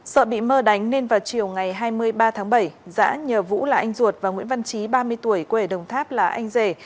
sợ bị mơ đánh nên vào chiều ngày hai mươi ba tháng bảy giã nhờ vũ là anh ruột và nguyễn văn trí ba mươi tuổi quê ở đồng tháp là anh rể